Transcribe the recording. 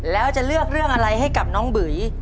แล้วจะเลือกเรื่องอะไรให้กับน้องบุ๋ย